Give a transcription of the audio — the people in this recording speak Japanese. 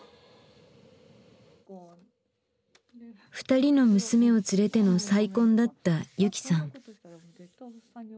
２人の娘を連れての再婚だった雪さん。